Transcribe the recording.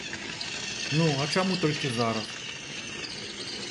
Ну, а чаму толькі зараз!?